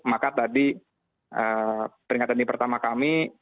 maka tadi peringatan ini pertama kami